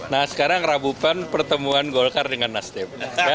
nah sekarang rabupan pertemuan golkar dengan nasdem